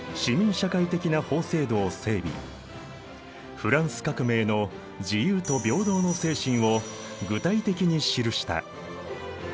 フランス革命の自由と平等の精神を具体的に記した。